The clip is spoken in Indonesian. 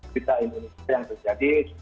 kita indonesia yang terjadi